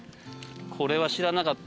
これは知らなかったな。